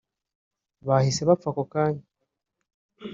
bahise bapfa ako kanya